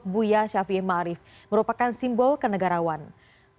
ketua umum pp muhammadiyah ahmad syafi ma arif di kediamannya di kabupaten sleman pada maret lalu